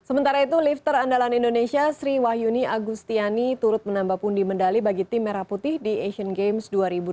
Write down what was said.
sementara itu lifter andalan indonesia sri wahyuni agustiani turut menambah pundi medali bagi tim merah putih di asian games dua ribu delapan belas